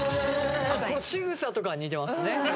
しぐさとかは似てますね。